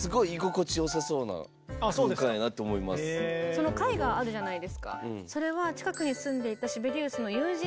その絵画あるじゃないですか。